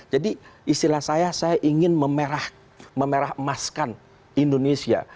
jadi istilah saya saya ingin memerah memerahemaskan indonesia